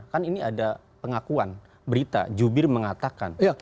kan ini ada pengakuan berita jubir mengatakan